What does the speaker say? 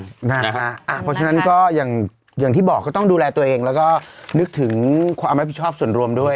เพราะฉะนั้นก็อย่างที่บอกก็ต้องดูแลตัวเองแล้วก็นึกถึงความรับผิดชอบส่วนรวมด้วย